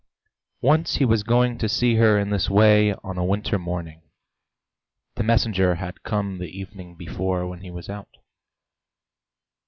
Once he was going to see her in this way on a winter morning (the messenger had come the evening before when he was out).